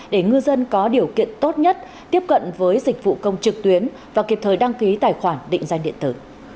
để ngư dân có điều kiện tốt nhất tiếp cận với dịch vụ công trực tuyến và kịp thời đăng ký tài khoản định danh điện tử